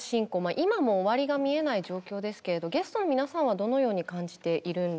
今も終わりが見えない状況ですけれどゲストの皆さんはどのように感じているんでしょう？